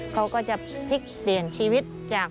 เขาก็จะพลิกเปลี่ยนชีวิตจาก